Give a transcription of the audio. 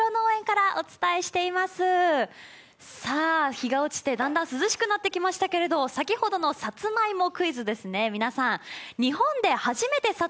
日が落ちて、だんだん涼しくなってきましたけれども、先ほどのさつまいもクイズです。